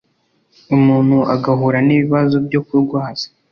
umuntu agahura n’ibibazo byo kurwaza